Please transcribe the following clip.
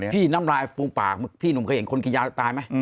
พี่น้ำลายฟูงปากพี่หนุ่มเคลี่ยงคนกินยาตายไหม